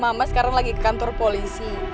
mama sekarang lagi ke kantor polisi